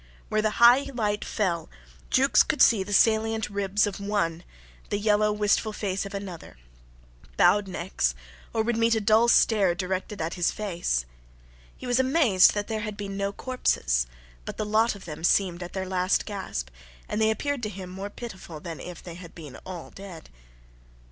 Where the high light fell, Jukes could see the salient ribs of one, the yellow, wistful face of another; bowed necks; or would meet a dull stare directed at his face. He was amazed that there had been no corpses; but the lot of them seemed at their last gasp, and they appeared to him more pitiful than if they had been all dead.